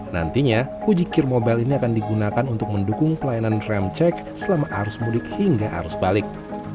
nantinya uji kir mobile ini akan digunakan untuk mendukung pelayanan rem cek selama arus mudik hingga arus balik